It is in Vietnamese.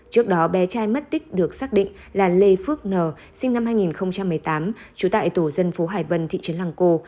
trước đó bé trai mất tích được xác định là lê phước n sinh năm hai nghìn một mươi tám trú tại tổ dân phố hải vân thị trấn lăng cô